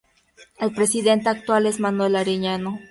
El presidente actual es Manuel Arellano.